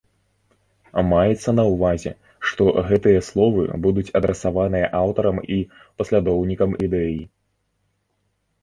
Маецца на ўвазе, што гэтыя словы будуць адрасаваныя аўтарам і паслядоўнікам ідэі.